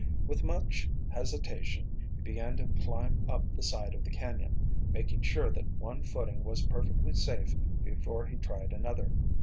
With much hesitation he began to climb up the side of the canyon, making sure that one footing was perfectly safe before he tried another.